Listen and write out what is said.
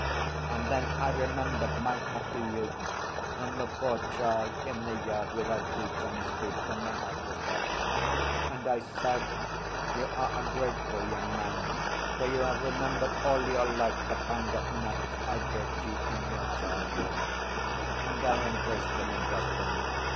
And then I remembered my happy youth and the poor child in the yard, without boots on his feet, and my heart was touched and I said, 'You are a grateful young man, for you have remembered all your life the pound of nuts I bought you in your childhood.' And I embraced him and blessed him.